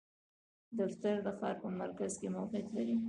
دفتر د ښار په مرکز کې موقعیت لری